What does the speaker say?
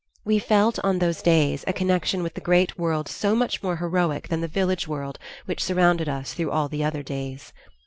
We felt on those days a connection with the great world so much more heroic than the village world which surrounded us through all the other days.